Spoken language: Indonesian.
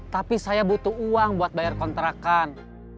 tapi saya butuh uang buat bayar kontrakan